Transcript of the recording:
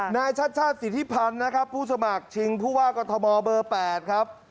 นายชาติชาติสิทธิพันธ์นะครับผู้สมัครชิงผู้ว่ากรทมเบอร์๘ครับ